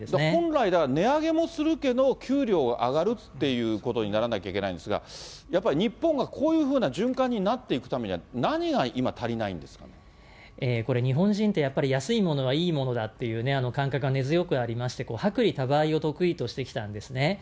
本来では、値上げもするけど、給料が上がるってことにならなきゃいけないんですが、やっぱり日本がこういうふうな循環になっていくためには、何が今、これ、日本人ってやっぱり安いものはいいものだっていう感覚が根強くありまして、こう、薄利多売を得意としてきたんですね。